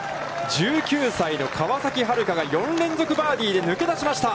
１９歳の川崎春花が４連続バーディーで、抜け出しました！